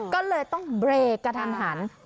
ก็เลยต้องเบรกกระทันหัน